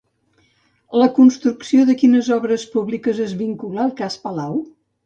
La construcció de quines obres públiques es vincula al cas Palau?